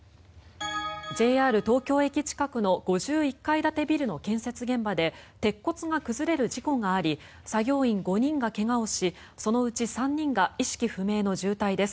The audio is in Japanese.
ＪＲ東京駅近くの５１階建てビルの建設現場で鉄骨が崩れる事故があり作業員５人が怪我をしそのうち３人が意識不明の重体です。